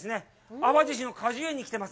淡路島の果樹園に来ています。